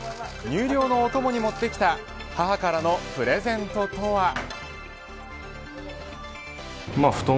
入寮のお供に持ってきた母からのプレゼントとは。